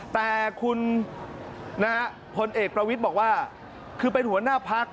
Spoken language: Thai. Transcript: แต่คุณพลเอกประวิทย์บอกว่าคือเป็นหัวหน้าพัก